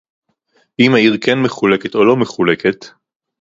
אם העיר כן מחולקת או לא מחולקת